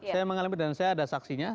saya mengalami dan saya ada saksinya